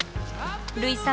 類さん